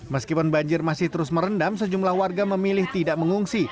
meskipun banjir masih terus merendam sejumlah warga memilih tidak mengungsi